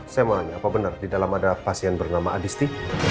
saya mau nanya apa benar di dalam ada pasien bernama adisti